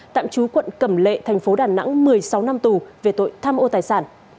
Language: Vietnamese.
tạm trú quận cẩm lệ tp đà nẵng một mươi sáu năm tù về tội tham ô tài sản